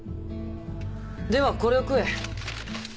ではこれを食え。